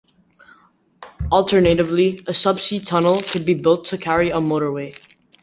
Alternatively, a subsea tunnel could be built to carry a motorway.